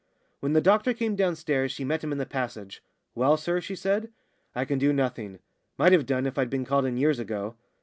When the doctor came downstairs she met him in the passage. "Well, sir?" she said. "I can do nothing might have done if I'd been called in years ago.